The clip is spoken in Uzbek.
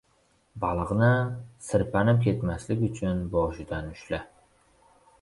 • Baliqni sirpanib ketmasligi uchun boshidan ushla.